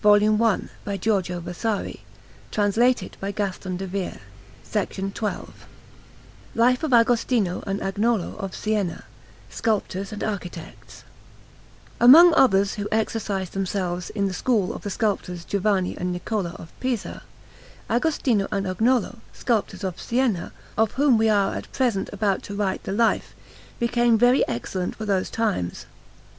57.] [Footnote 12: See note on p. 57.] [Footnote 13: See note on p. 57.] AGOSTINO AND AGNOLO OF SIENA LIFE OF AGOSTINO AND AGNOLO OF SIENA, SCULPTORS AND ARCHITECTS Among others who exercised themselves in the school of the sculptors Giovanni and Niccola of Pisa, Agostino and Agnolo, sculptors of Siena, of whom we are at present about to write the Life, became very excellent for those times.